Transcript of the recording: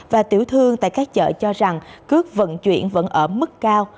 và tiểu thương tại các chợ cho rằng cước vận chuyển vẫn ở mức cao